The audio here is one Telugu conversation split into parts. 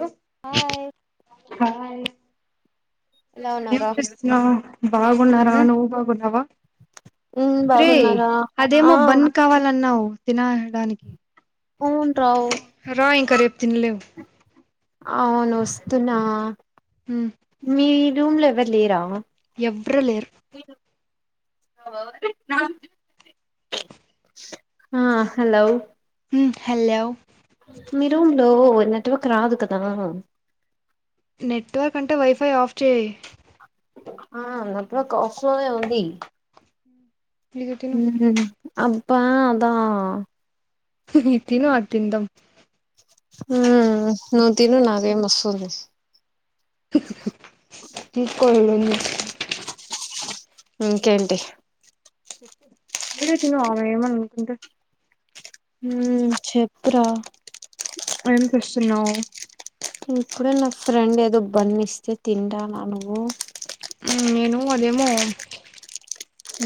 లు హాయ్ హాయ్ ఎలా ఏం ఉన్నావురా చేస్తున్నావ్ బాగున్నారా ఉమ్ నువ్వు బాగున్నావా ఉమ్ రే బాగున్నారా ఆ అదేమో బన్ కావాలన్నావ్ తినడానికి అవును రావు రా ఇంకా రేపు తినలేవు అవును వస్తున్నా ఉమ్ మీ రూమ్ లో ఎవ్వరు లేరా ఎవ్వరు లేరు [unintelligible] ఆ హలో హలో మీ రూమ్ లో నెట్వర్క్ రాదు కదా నెట్వర్క్ అంటే వైఫై ఆఫ్ చేయి ఆ అప్ద్వర్క్ ఆఫ్ లోనే ఉంది ఇది తిను ఉహు అబ్బా అదా ఉహు ఇది తిను అది తిందాం హు నువ్వు తిను నాకేం వస్తుంది తీసుకోలేద్ నేను ఇంకేంటి వఇప్పుడే తిను అమె ఏమననుకుంటే హు చెప్పురా ఏం పిస్తూన్నావ్ ఇప్పుడే నా ఫ్రెండ్ ఎదో బన్ ఇస్తే తింటన్నా నువ్వు ఉ నేను అదేమో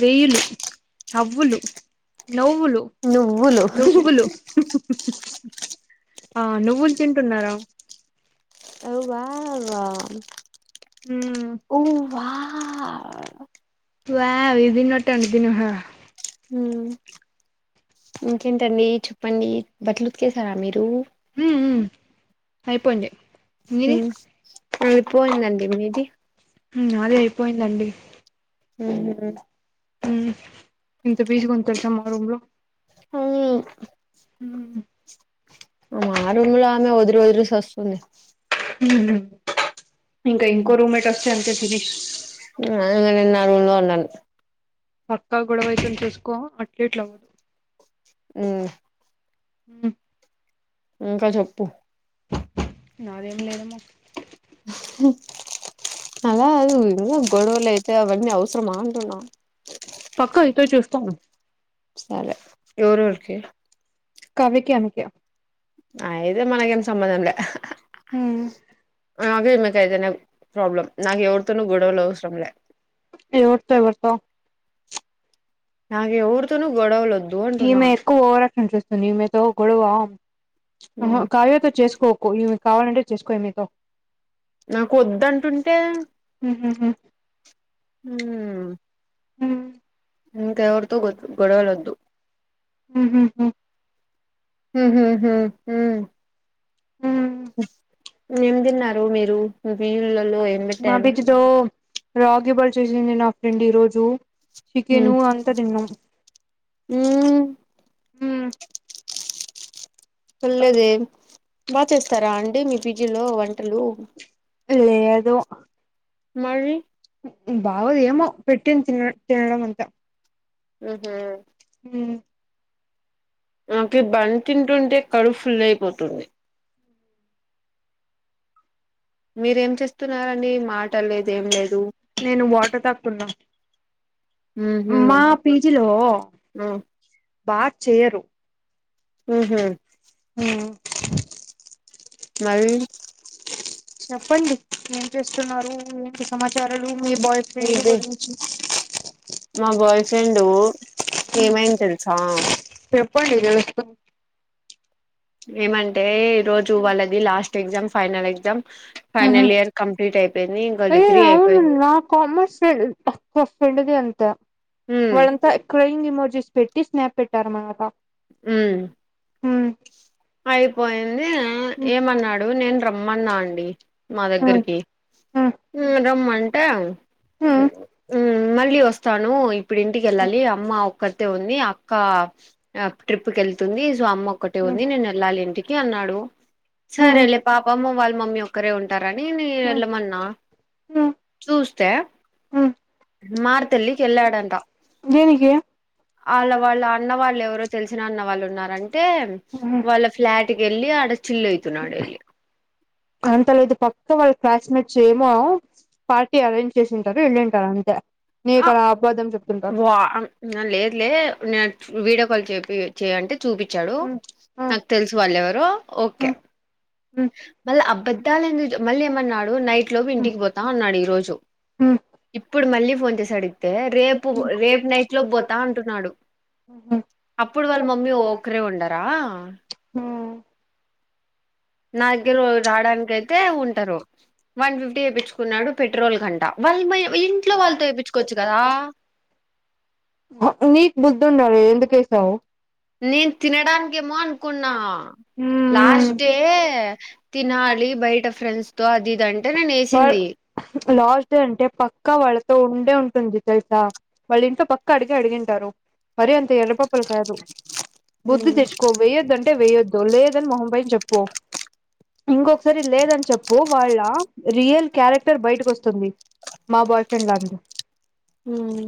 వెయ్యిళ్ళు అవ్వులు నవ్వులు నువ్వులు నువ్వులు ఆ నువ్వులు తింటున్నారా అవ్ బాల హుమ్ ఆ వావ్ ఇవి తిన్నట్టే అవి తిను హా హుమ్ ఇంకేంటండి చెప్పండి బట్టలు ఉతికేసారా మీరు హుమ్ హు హుమ్ అయిపోయిందండి మీది హుమ్ నాది అయిపోయిందండి హుమ్ హు హు హుమ్ ఇంత పీస్ గా ఉంది తెలుసా మా రూమ్ లో హ్మ్ మా రూమ్ లో ఆమె వదిరి వదిరి సస్తుంది హుమ్ ఆ నేను ఆ రూమ్ లో ఉండను పక్కా గొడవయితుంది చూసుకో అట్లీట్లు అవ్వదు హుమ్ హుమ్ ఇంకా చెప్పు నాదేం లేదమ్మా ఉ అగ ఆగు ఎందుకు గొడవలయితాయి అవన్నీ అవసరమా అంటున్నా పక్కా ఐతే చూస్తారు సరే ఎవరెవరికి కావ్యకి ఆమెకి అయితే మనకేం సంబంధం లే ఉమ్ అవి మీకైతెనే ప్రాబ్లం నాకు ఎవరితోన గొడవలు అవసరంలే నోటితో ఎవర్తో నాక్ ఎవ్రు ఈమె ఎక్కువ ఓవరాక్షన్ చేస్తుంది ఈమెతో గొడవ అహ హ్మ్. కావ్యతో చేసుకోకు ఇవి కావాలంటే చేసుకో మీతో నాకొద్దంటుంటే హుహుహు. హుమ్ హుమ్ ఇంక ఎగొడవలు వద్దు హ హ హ హుమ్ హు హు హ్మ్. ఏం తిన్నారు మీరు మీ పిజి లో మా పీజీ లో రాగి బాత్ చేసింది నా ఫ్రెండ్ ఈ రోజు చికెను హుమ్ అంతా తిన్నాం లేదే బాగ్ చేస్తారా అండి మీ పీజీ లో వన్ వంటలు లేదు మరి బాగుదేమో పెట్టింది తిన్నట్ తినడం అంతే మీకా నాకి ఈ బన్ తింటుంటే కడుపు ఫుల్ అయిపోతాంది మీరేం చేస్తున్నారండి మాట లేదు ఏం లేదు నేను వాటర్ తాగుతున్నా హ్మ్ హ్మ్ మా పీజీ లో హ్మ్ బా చేయరు మ్ హు హ్మ్. మరి చెప్పండి ఏం చేస్తున్నారు ఏంటి సమాచార్ నడు మీ బాయ్ ఫ్రెండ్ మీది గురించి మా బాయ్ ఫ్రెండు ఏమైంది తెలుసా పోనీలే వేసుకో ఏమంటే ఈ రోజు వాళ్ళది లాస్ట్ ఎగ్జామ్ ఫైనల్ ఎగ్జామ్ మ్ హు ఫైనల్ ఇయర్ కంప్లీట్ అయిపోయింది ఇంకా ఏయి డిగ్రీ అవును అయిపోయింది నా కామర్స్ పక్ వఫ్ ఫ్రెండ్ దే అంతా ఉమ్ వాళ్ళంతా క్రయింగ్ ఎమోజెస్ పెట్టి స్నాప్ పెట్టారమన్నమాట మ్ అయిపోయింది ఏమన్నాడు నేను రమ్మన్నా అండి మా హ్మ్ దగ్గరికి హ్మ్ మ్ రమ్మంటే, హ్మ్ మ్ మళ్ళీ వస్తాను ఇప్పుడు ఇంటికెళ్ళాలి అమ్మ ఒక్కతే ఉంది అక్క ట్రిప్ కెళ్తుంది సో అమ్మ ఒక్కటే హ్మ్ ఉంది నేనెళ్ళాలి ఇంటిక్ కి అన్నాడు సరే హ్మ్ లే పాపము వాళ్ళ మమ్మీ ఒక్కరే ఉంటా రనీ నే హ్మ్ వెళ్ళమన్నా హ్మ్ చూస్తే హ్మ్ మారుతల్లి కెళ్ళాడంట దేనికి ఆళ్ళ వాళ్ళ అన్న వాళ్ళు ఎవ రో తెలిసినన్న వాళ్ళు ఉన్నారంటే వాళ్ళ ఫ్లాట్ కెళ్ళి ఆడ చిల్ అయితున్నాడు ఎల్లి అంత లేదు పక్క వాళ్ళ క్లాస్మేట్స్ ఏమో పార్టీ అరేంజ్ చేసింటారు ఎళ్ళింటారు అంతే. నీకు ఆ అలా అబద్ధం చెప్తుంటారు వా లేదు లే నే వీడియో కాల్ చె ఇ చేయంటే చూపిచ్చాడు హ్మ్ హ్మ్ నాకు తెలుసు వాళ్ ఎవరో ఓకే హ్మ్ హ్మ్ మళ్ళ అబద్దాలెందుకు చె మళ్ళీ ఏమన్నాడు నైట్ లో ఇంటికి పోతా అన్నాడు ఈ రోజు హ్మ్ ఇప్పుడు మళ్ళీ ఫోన్ చేసి అడిగితే, రేపు, రేపు నైట్ లో పోతా అంటున్నాడు. హ్మ్ అప్పుడు వాళ్ళ మమ్మీ ఒక్కరే ఉండరా? హ్మ్ నా దగ్గర రావడానికయితే ఉంటారు. వన్ ఫిఫ్టీ ఏపిచ్చుకున్నాడు పెట్రోల్ కంట వాళ్ అమ్మయ్య ఇంట్లో వాళ్ళతో ఏపిచ్చుకోచ్చు కదా హా నీకు బుద్ధుండాలి ఎందుకేసావు? నేను తినడానికేమో అనుకున్న లాస్ట్ డే తినాలి బయట ఫ్రెండ్స్ తో అది ఇది అంటే నేను వాల్ ఏసింది లాస్ట్ అంటే పక్ పక్క వాళ్ళతో ఉండే ఉంటుంది తెలుసా, వాళ్ళ ఇంట్లో పక్క అడిగే అడిగింటారు. మరి అన్ ఎర్రిపప్పలు కాదు బుద్ధి ఉమ్ తెచ్చుకో. వెయ్యోద్ అంటే వెయొద్దు. లేదని మొహంపై చెప్ పు ఇంకొకసారి లేదని చెప్పు వాళ్ళ రియల్ క్యారెక్టర్ బయటికోస్తుంది మా బాయ్ ఫ్రెండ్ లాగ ఉమ్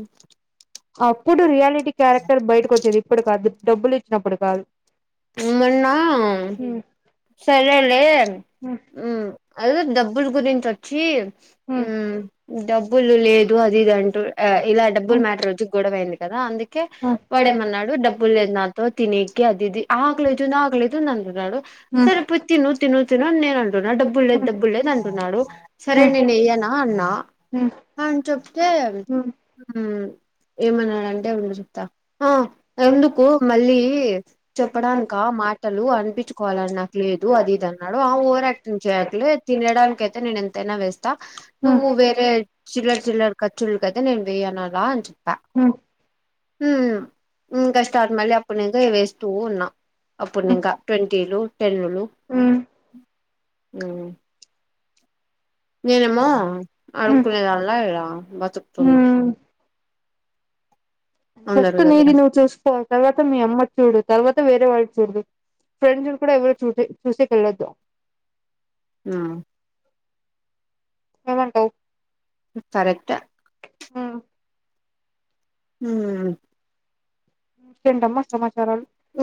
అప్పుడు రియాలిటీ క్యారెక్టర్ బయటికొచ్చేది ఇప్పుడు కాదు డబ్బులు ఇచ్చినప్పుడు కాదు. మోన్నా హ్మ్ సరేలే హ్మ్ మ్ అదె డబ్బులు గురించొచ్చి హ్మ్ మ్ డబ్బులు లేదు అది ఇది అంటూ ఇలా డబ్బులు మ్యాటర్ వచ్చి గొడవైంది. కదా అందుకే వాడేమన్నాడు డబ్బుల్ లేదు నాతో తినేకి అదిది ఆకలలైతుంది ఆకలైతుంది అంటున్నాడు హ్మ్ సరే పోయి తిను తిను తిను నేను అంటున్నా డబ్బులు లేదు డబ్బులు లేదు అంటున్నాడు, సరే నేను యెయ్యానా అన్నా. హ్మ్ అన్ చెప్తే ఉమ్ ఏమన్నాడంటే ఉండు చెప్తా ఆ ఎందుకు మళ్ళీ చెప్పడానిక మాటలు అనిపించుకోవాలని నాకు లేదు అది ఇది అన్నాడు, ఆ ఓవర్ యాక్టింగ్ చేయకులే తిన్ తినడనికి అయితే నేను ఎంతైనా వేస్తా, నువ్వు వేరే చిల్లర్ చిల్లర్ ఖర్చులుకైతే నేను వేయన్ నురా అని చొప్ప హు ఉ ఇంకా స్టార్ట్ మళ్ళి అప్పునుంచే వేస్ ఉన్నా హ్మ్ అప్పునికా ట్వంటీలు టెన్లు హ్మ్ ఉ నేనేమో అడుకునేదన్ల ఉమ్ ఇలా బతుకుతున్నా అందరి ఫస్ట్ దగ్గర నీది నువ్ చూస్కో తర్వాత మీ అమ్మది చూడు తర్వాత వేరే వాళ్ళు చూడదు [unintelligible] ఫ్రెండ్స్ కూడా ఎవరు చూసే చూసేకి వెళ్ళద్దు ఉ ఏమంటావ్ కరెక్టే ఉ ఉ సెంటమ్మా సమాస్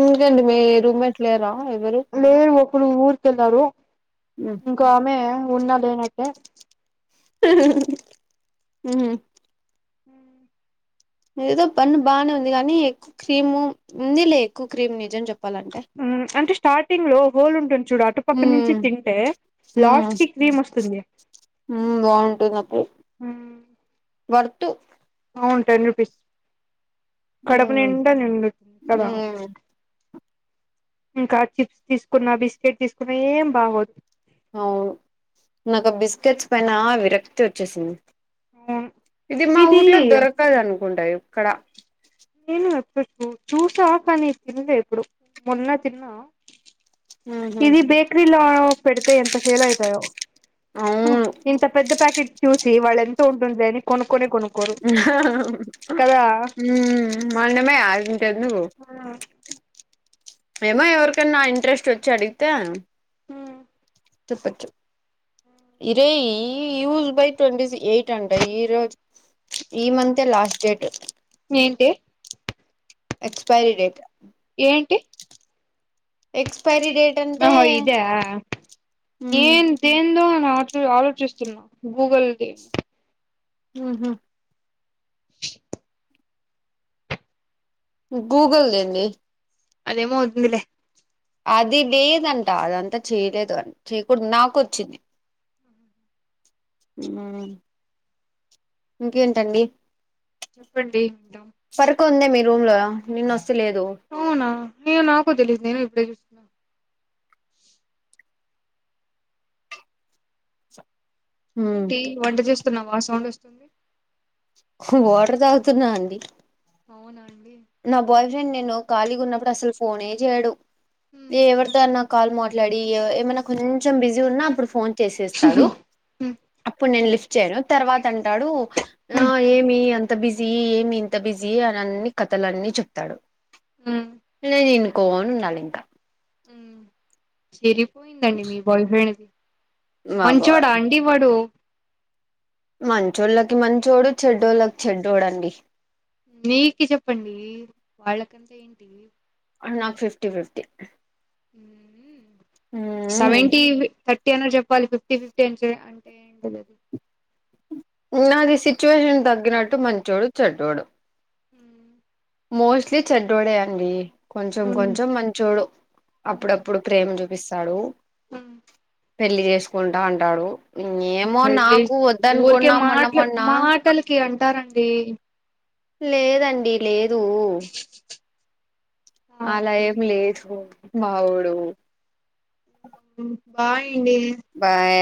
ఇంకేంటి మీ రూమ్ మేట్లు లేరా ఎవరు కెళ్లారు ఉమ్ ఇంకో ఆమె ఉన్నా లేనట్టే ఉ [inaudible] ఏదో పన్ను బానే ఉంది కానీ ఎక్కువ క్రీము వున్నిలే ఎక్కువ క్రీమ్ నిజం చెప్ అంటే స్టార్టింగ్లో హోల్ ఉంటుంది చూడు అటు పక్క నుంచి ఉమ్ తింటే ఉమ్ లాస్ట్కి క్రీమ్ వస్తుంది ఉమ్ బాగుంటది నాకు వర్తు అవును టెన్ రూపీస్ ఉమ్ కడపనిండా తినచ్చు కదా ఉమ్ ఇంకా చిప్స్ తీసుకున్న బిస్కెట్ తీసుకున్నా ఏం బాగోదు. అవ్ నాకు ఆ బిస్కెట్స్ పైనా విరక్తి వచ్చేసింది అవును ఇది మా ఊర్లో దొరకదు అనుకుంటా ఇక్కడ నేను అప్పుడు చూసా కాని కానీ తిన్లే ఎప్పుడు మొన్న తిన్నా ఉహు ఇది బేక్రిీలో పెడితే ఎంత సేల్ అయితాయో అవును ఇంత పెద్ద ప్యాకెట్ చూసి వాళ్ళ ఎంత ఉంటుందిలే అని కొనుక్కొనే కొనుక్కొరు. ఉమ్ కదా ఆ మనమే అదెందుకు ఏమో ఎవరికైనా ఇంట్రెస్ట్ వచ్చి అడిగితే ఉ చెప్పచ్చు ఇరే ఇ యూస్ బై ట్వంటీసి ఎయిట్ అంట ఈరోజ్ ఈ మంతే లాస్ట్ డేట్ ఏంటి expiry date expiry expiry date అంటే ఆహో ఇదా నేను దేందో నట్లు ఆలోచిస్తున్నా గూగుల్ది ఉ హ గూగల్ దండి అదేమోతుందిలే అది లేదంట అదంతా చేయలేదు అ చేయకూడదు నాకోచ్చింది ఉమ్ ఇంకేంటండి ప్పండి ఇకా కొంది మీ రూమ్ లో నిన్న వస్తలేదు అవునా ఏమో నాకు తెలీదు నేను ఇప్పుడే చూస్తున్నాను ఏంటి వంట చేస్తున్నావా సౌండ్ వస్తుంది ఓటర్ తాగుతున్నా అండి అవునం నా బాయ్ ఫ్రెండ్ నేను ఖాళీగున్నప్పుడు అసలు ఫోనే చేయడు హ్మ్ ఎవరితో అన్న కాల్ మాట్లాడి ఏమైన్నా కొంచెం బిజీ ఉన్నా అప్పుడు ఫోన్ చేసేస్తాడు హ్మ్ అప్పుడు నేను లిఫ్ట్ చేయను తర్వాత అంటాడు ఆ హ్మ్ ఏమి అం ఇంత బిజీ ఏమి ఇంత బిజీ అని అన్ని కథలన్నీ చెప్తాడు హ్మ్ నేను ఇనుకోని ఉండాలి ఇంకా ఉమ్ సరిపోయిందండి మీ బాయ్ ఫ్రెండ్ది బాబో మంచోడా అండి వాడు మంచోళ్ళకి మంచోడు చెడ్డోళ్ళకి చెడ్డోదండి నీకి చెప్పండి వాళ్ళకంతా ఏంటి ఆ నాకు fifty fifty hmm seventy thirty అన్న చెప్పాలి ఫిఫ్టీ ఫిఫ్టీ ఎట్ల అని ఎంటిదది నాది రోడు ఉమ్ మోస్ట్లీ చెడ్డోడే అండి కొంచెం కొంచెం మంచోడు అప్పుడప్పుడు ప్రేమ చూపిస్తాడు పెళ్లి చేసుకుంటా అంటాడు ఏమో మళ్ళీ నాకు ఊరికే వద్దనుకున్నాం మన్న మాటలు మన్న మాటలకి అంటారండి. లేదండి లేదు ఆ అలా అండి ఏం లేదు వవోడు ఉమ్ బాయ్ అండి బాయ్